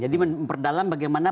jadi memperdalam bagaimana